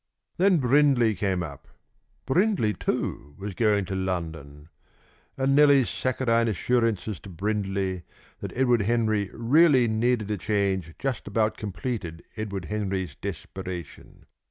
Then Brindley came up. Brindley, too, was going to London. And Nellie's saccharine assurances to Brindley that Edward Henry really needed a change just about completed Edward Henry's desperation.